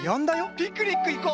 ピクニックいこう！